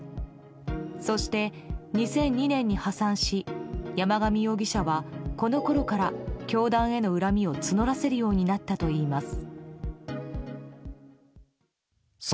そして、２００２年に破産し山上容疑者はこのころから教団への恨みを募らせるようになったといいます。